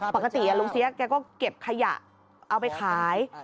ปกติลุงเสียแกก็เก็บขยะเอาไปขาย